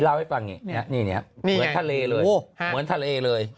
เหมือนทะเลเลย